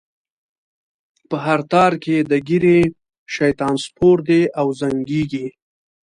په هر تار کی یې د ږیری؛ شیطان سپور دی او زنګیږی